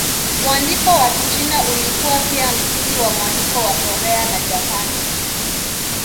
Mwandiko wa Kichina ulikuwa pia msingi wa mwandiko wa Korea na Japani.